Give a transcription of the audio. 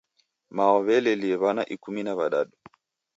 Mao walelie w'ana ikumi na w'adadu.